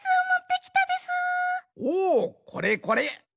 おおっこれこれ！